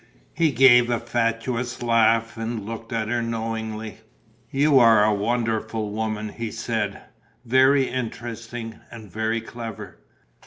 He gave a fatuous laugh and looked at her knowingly: "You are a wonderful woman!" he said. "Very interesting and very clever.